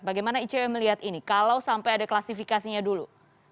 bagaimana icw melihat ini kalau sampai ada klasifikasinya dulu